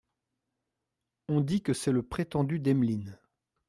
On dit que c’est le prétendu d’Emmeline.